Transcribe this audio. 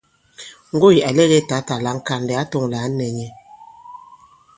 Ŋgoỳ à lɛgɛ tǎtà la ŋ̀kànlɛ̀ ǎ tɔ̄ŋ lā ǎ nɛ̄ nyɛ̄.